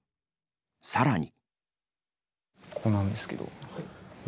さらに。